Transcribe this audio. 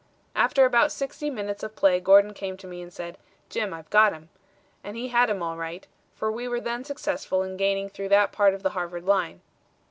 After about sixty minutes of play Gordon came to me and said, 'Jim, I've got him,' and he had him all right, for we were then successful in gaining through that part of the Harvard line.